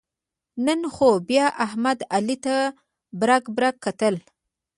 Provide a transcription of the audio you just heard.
نن خو بیا احمد علي ته برگ برگ کتل.